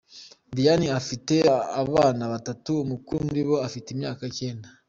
Diane afite abana batatu, umukuru muri bo afite imyaka icyenda.